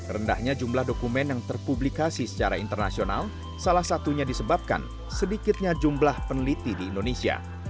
rendahnya jumlah dokumen yang terpublikasi secara internasional salah satunya disebabkan sedikitnya jumlah peneliti di indonesia